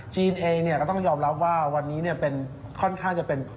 จีนเองต้องยอมรับว่าวันนี้ค่อนข้างเป็น